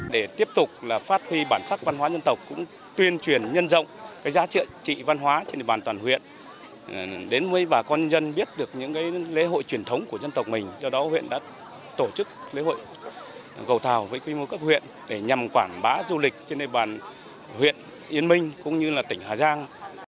lễ hội truyền thống của dân tộc mình do đó huyện đã tổ chức lễ hội gầu tàu với quy mô các huyện để nhằm quản bá du lịch trên đề bàn huyện yên minh cũng như là tỉnh hà giang